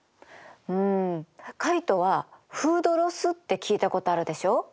うんカイトはフードロスって聞いたことあるでしょ？